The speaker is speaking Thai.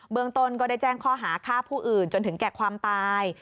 เมืองต้นก็ได้แจ้งข้อหาฆ่าผู้อื่นจนถึงแก่ความตาย